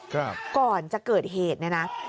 ก่อนจะเกิดเหตุเนี่ยนะ